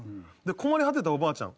困り果てたおばあちゃん